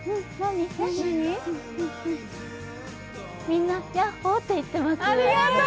みんな、ヤッホーって言ってます。